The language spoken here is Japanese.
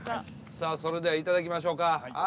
さあそれでは頂きましょうか。